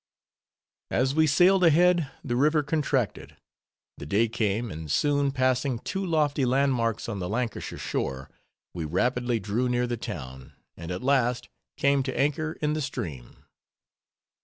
As we sailed ahead the river contracted. The day came, and soon, passing two lofty land marks on the Lancashire shore, we rapidly drew near the town, and at last, came to anchor in the stream.